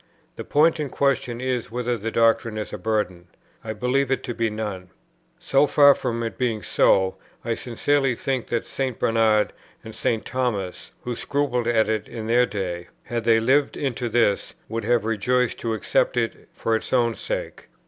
The point in question is, whether the doctrine is a burden. I believe it to be none. So far from it being so, I sincerely think that St. Bernard and St. Thomas, who scrupled at it in their day, had they lived into this, would have rejoiced to accept it for its own sake.